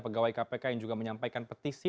pegawai kpk yang juga menyampaikan petisi